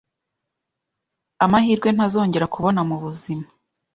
amahirwe ntazongera kubona mubuzima